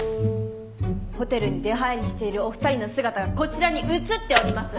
ホテルに出入りしているお二人の姿がこちらに写っております。